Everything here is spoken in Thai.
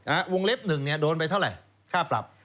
วงเล็บหนึ่งเนี่ยโดนไปเท่าไหร่ค่าปรับ